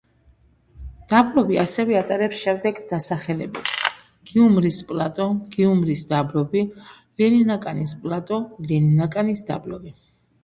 დაბლობი ასევე ატარებს შემდეგ დასახელებებს: გიუმრის პლატო, გიუმრის დაბლობი, ლენინაკანის პლატო, ლენინაკანის დაბლობი.